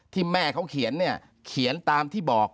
ที่แม่เขาเขียนเนี่ยเขียนตามที่บอก